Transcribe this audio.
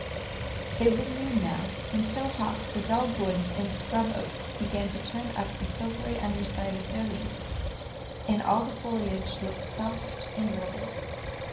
It was noon now, and so hot that the dogwoods and scrub oaks began to turn up the silvery under side of their leaves, and all the foliage looked soft and wilted.